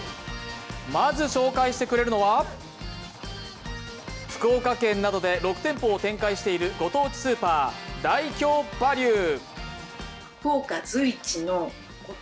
まず紹介してくれるのは福岡県などで６店舗を展開しているご当地スーパー、ダイキョーバリュー。